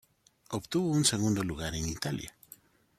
Obtuvo un segundo lugar en Italia.